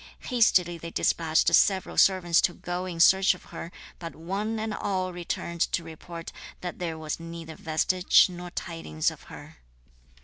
Hastily they despatched several servants to go in search of her, but one and all returned to report that there was neither vestige nor tidings of her.